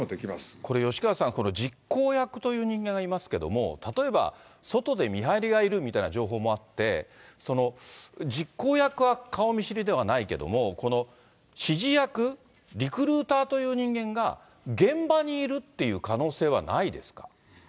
これ、吉川さん、実行役という人間がいますけども、例えば、外で見張りがいるみたいな情報もあって、実行役は顔見知りではないけれども、この指示役、リクルーターという人間が、現場にいるっていう可能性はないですか。